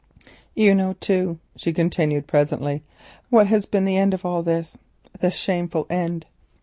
"You know, too," she continued presently, "what has been the end of all this, the shameful end.